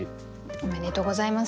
おめでとうございます。